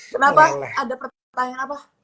kenapa ada pertanyaan apa